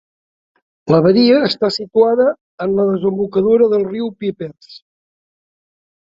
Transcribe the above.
La badia està situada en la desembocadura del riu Pipers.